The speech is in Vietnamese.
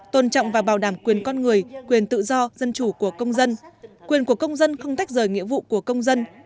tôn trọng và bảo đảm quyền con người quyền tự do dân chủ của công dân quyền của công dân không tách rời nghĩa vụ của công dân